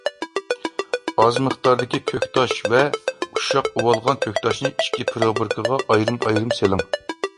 ئاز مىقداردىكى كۆكتاش ۋە ئۇششاق ئۇۋالغان كۆكتاشنى ئىككى پروبىركىغا ئايرىم-ئايرىم سېلىڭ.